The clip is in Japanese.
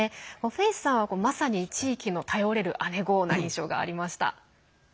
フェイスさんはまさに地域の頼れる姉御な印象がありました。